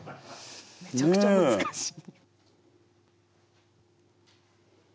めちゃくちゃむずかしい。